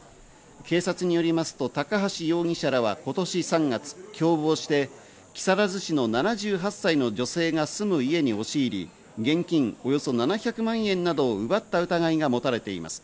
警察によりますと高橋容疑者らは今年３月、共謀して木更津市の７８歳の女性が住む家に押し入り、現金およそ７００万円などを奪った疑いが持たれています。